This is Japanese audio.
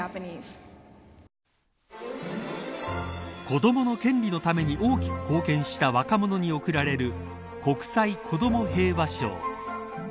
子どもの権利のために大きく貢献した若者に贈られる国際子ども平和賞。